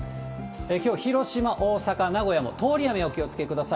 きょう、広島、大阪、名古屋も通り雨お気をつけください。